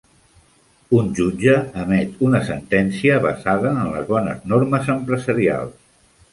Un jutge emet una sentència basada en les "bones normes empresarials".